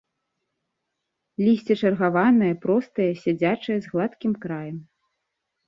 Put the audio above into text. Лісце чаргаванае, простае, сядзячае, з гладкім краем.